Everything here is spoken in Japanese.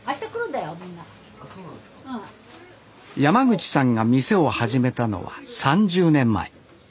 山口さんが店を始めたのは３０年前。